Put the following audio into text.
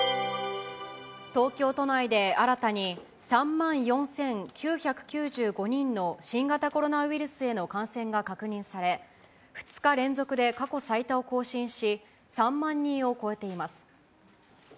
東京都内で新たに３万４９９５人の新型コロナウイルスへの感染が確認され、２日連続で過去最多を更新し、３万人を超えています。